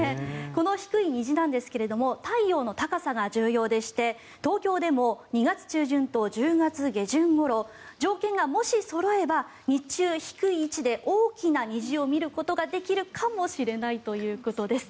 この低い虹なんですが太陽の高さが重要でして東京でも２月中旬と１０月下旬ごろ条件がもしそろえば日中、低い位置で大きな虹を見ることができるかもしれないということです。